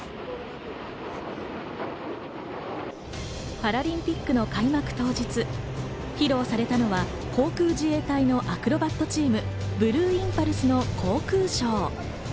パラリンピックの開幕当日、披露されたのは航空自衛隊のアクロバットチーム、ブルーインパルスの航空ショー。